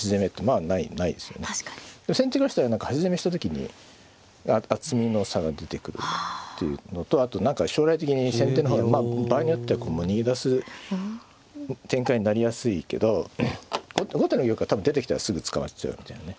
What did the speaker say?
先手としては何か端攻めした時に厚みの差が出てくるっていうのとあと何か将来的に先手の方が場合によっては逃げ出す展開になりやすいけど後手の玉は多分出てきたらすぐ捕まっちゃうみたいなね。